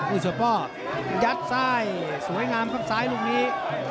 อุ้ยสวัสดิ์ยัดซ้ายสวยงามข้างซ้ายลูกนี้